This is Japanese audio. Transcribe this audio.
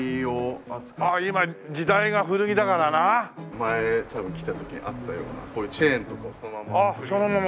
前多分来た時にあったようなこういうチェーンとかをそのまま。